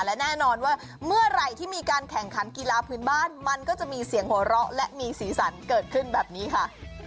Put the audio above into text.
และแน่นอนว่าเมื่อไหร่ที่มีการแข่งขันกีฬาพื้นบ้านมันก็จะมีเสียงหัวเราะและมีสีสันเกิดขึ้นแบบนี้ค่ะ